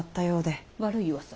悪い噂？